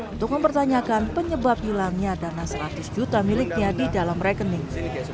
untuk mempertanyakan penyebab hilangnya dana seratus juta miliknya di dalam rekening